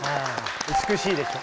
美しいでしょ。